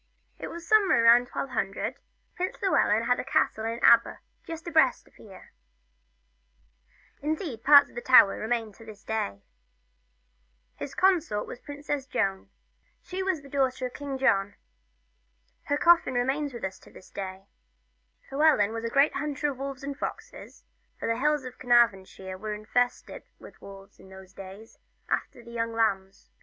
IT was somewhere about 1200, Prince Llewellyn had a castle at Aber, just abreast of us here ; indeed, parts of the towers remain to this day. His consort was the Princess Joan ; she was King John's daughter. Her coffin remains with us to this day. Llewellyn was a great hunter of wolves and foxes, for the hills of Carnarvonshire were infested with wolves in those days, after the young lambs.